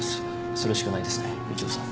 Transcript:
それしかないですねみちおさん。